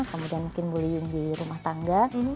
kemudian mungkin bullying di rumah tangga